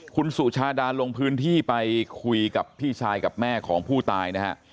คุณสุชาดาลงพื้นที่ไปคุยกับพี่ชายกับแม่ของผู้ตายนะฮะ